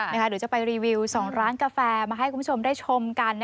เดี๋ยวจะไปรีวิว๒ร้านกาแฟมาให้คุณผู้ชมได้ชมกัน